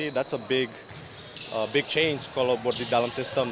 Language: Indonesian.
that's a big change kalau berdialem sistem